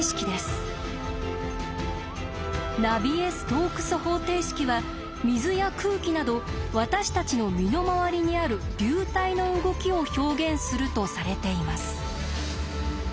「ナビエ・ストークス方程式」は水や空気など私たちの身の回りにある流体の動きを表現するとされています。